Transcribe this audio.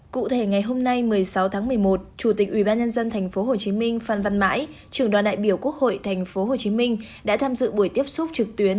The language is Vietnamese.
cụ thể ngày hôm nay một mươi sáu tháng một mươi một chủ tịch ubnd tp hcm phan văn mãi trưởng đoàn đại biểu quốc hội tp hcm đã tham dự buổi tiếp xúc trực tuyến